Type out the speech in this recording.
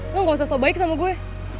lo gak usah so baik sama gue